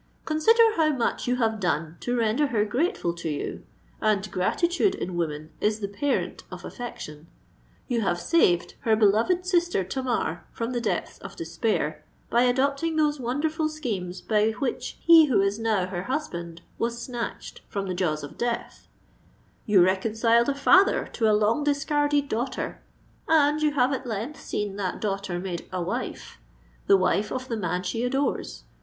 "Consider how much you have done to render her grateful to you; and gratitude in woman is the parent of affection! You have saved her beloved sister Tamar from the depths of despair by adopting those wondrous schemes, by which he who is now her husband, was snatched from the jaws of death;—you reconciled a father to a long discarded daughter;—and you have at length seen that daughter made a wife—the wife of the man she adores!